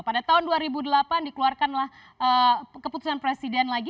pada tahun dua ribu delapan dikeluarkanlah keputusan presiden lagi